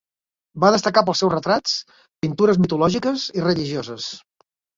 Va destacar pels seus retrats, pintures mitològiques i religioses.